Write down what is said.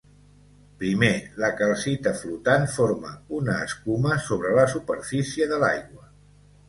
Primer la calcita flotant forma una escuma sobre la superfície de l'aigua.